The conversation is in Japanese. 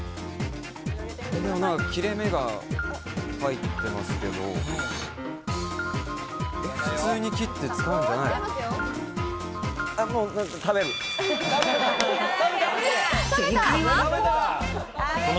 切れ目が入ってますけど、普通に切って使うんじゃないの？